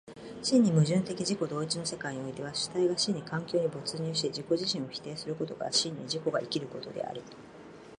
真に矛盾的自己同一の世界においては、主体が真に環境に没入し自己自身を否定することが真に自己が生きることであり、